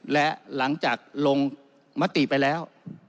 และหลังจากลงมติไปแล้ว